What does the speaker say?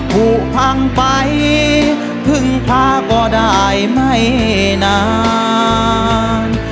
ผูกพังไปพึ่งพาก็ได้ไม่นาน